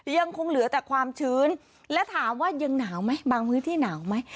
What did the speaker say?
ยังคงเหลือแต่ความชื้นและถามว่ายังหนาวไหมบางพื้นที่หนาวไหม